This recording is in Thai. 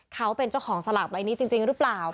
เขาเป็นเจ้าของสลากใบนี้จริงหรือเปล่า